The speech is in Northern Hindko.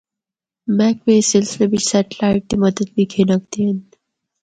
محکمے اس سلسلے بچ سیٹلائٹ دی مدد بھی گھن ہکدے ہن۔